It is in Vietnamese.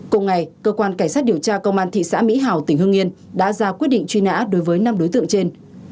cùng ngày cơ quan cảnh sát điều tra công an thị xã mỹ hào tỉnh hương yên đã ra quyết định truy nã đối với năm đối tượng trên